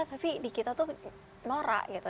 tapi di kita tuh nora gitu